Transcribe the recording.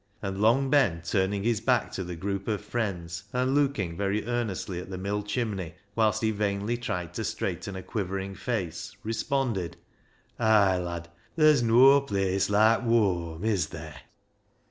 And Long Ben, turning his back to the group of friends, and looking very earnestly at the mill chimney, whilst he vainly tried to straighten a quivering face, responded —" Ay, lad ; ther's noa place loike whoam, is ther' ?